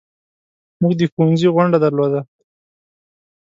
موږ د ښوونځي غونډه درلوده.